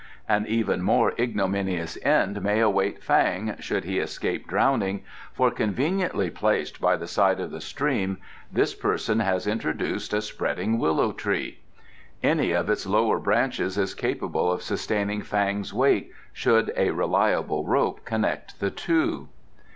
An even more ignominious end may await Fang, should he escape drowning, for, conveniently placed by the side of the stream, this person has introduced a spreading willow tree. Any of its lower branches is capable of sustaining Fang's weight, should a reliable rope connect the two."